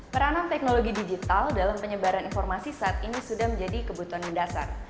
peranan teknologi digital dalam penyebaran informasi saat ini sudah menjadi kebutuhan mendasar